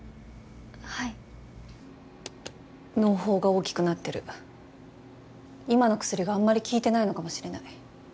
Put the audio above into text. はいのう胞が大きくなってる今の薬があんまり効いてないのかもしれない